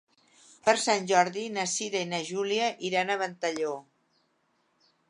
Per Sant Jordi na Cira i na Júlia iran a Ventalló.